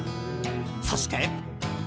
そして。